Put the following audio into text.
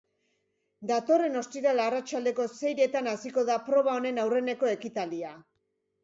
Datorren ostiral arratsaldeko seiretan hasiko da proba honen aurreneko ekitaldia.